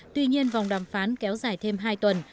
tuy nhiên vòng đàm phán kéo dài thêm hai tuần